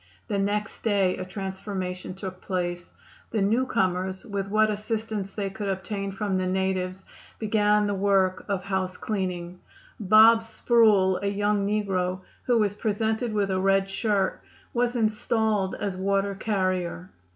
The next day a transformation took place. The new comers, with what assistance they could obtain from the natives, began the work of housecleaning. "Bob" Sproul, a young negro, who was presented with a red shirt, was installed as water carrier.